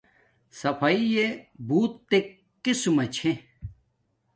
سفایݵ بوتک قیسما چھے